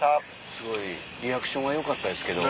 すごいリアクションはよかったですけど。